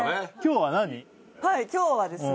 はい今日はですね